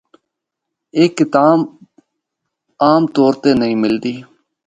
اے کتاب عام طور تے نیں ملدی۔